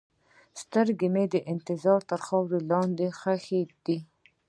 سترګې مې د انتظار تر خاورو لاندې ښخې دي.